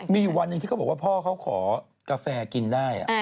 มีวันที่เขาบอกว่าพ่อเขาขอกาแฟกินได้